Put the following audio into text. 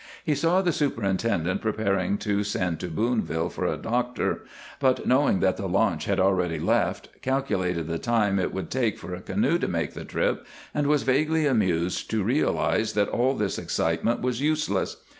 He saw the superintendent preparing to send to Boonville for a doctor, but, knowing that the launch had already left, calculated the time it would take for a canoe to make the trip, and was vaguely amused to realize that all this excitement was useless.